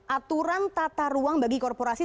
aturan tata ruang bagi korporasi